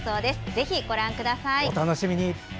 ぜひ、ご覧ください。